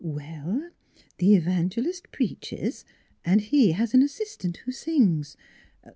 " Well, the evangelist preaches, and he has an assistant who sings.